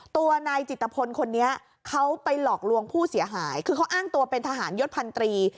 ตัวนายจิตพลคนนี้เขาไปหลอกลวงผู้เสียหายคือเขาอ้างตัวเป็นทหารยศพันตรี